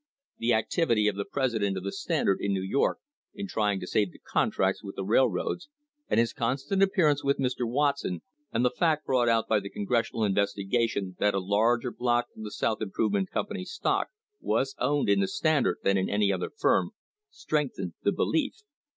The activity of the president of the Standard in New York, in trying to save the contracts with the rail roads, and his constant appearance with Mr. Watson, and the fact brought out by the Congressional Investigation that a larger block of the South Improvement Company's stock was owned in the Standard than in any other firm, strengthened the belief.